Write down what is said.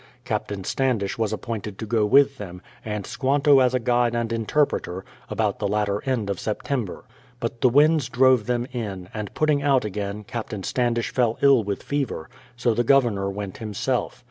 Captain Standish was appointed to go with them, and Squanto as a guide and interpreter, about the latter end of September; but the winds drove them in ; and putting out again. Captain Stand ish fell ill with fever, so the Governor went himself.